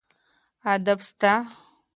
ادب سته.